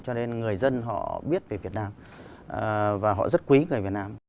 cho nên người dân họ biết về việt nam và họ rất quý người việt nam